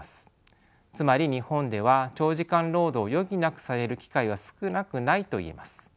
つまり日本では長時間労働を余儀なくされる機会は少なくないと言えます。